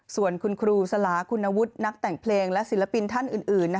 ส่วนคุณครูสลาคุณวุฒินักแต่งเพลงและศิลปินท่านอื่น